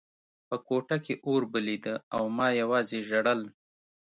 په کوټه کې اور بلېده او ما یوازې ژړل